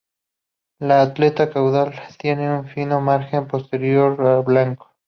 La aleta caudal tiene un fino margen posterior blanco.